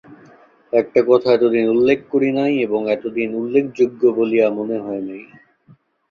একটা কথা এতদিন উল্লেখ করি নাই এবং এতদিন উল্লেখযোগ্য বলিয়া মনে হয় নাই।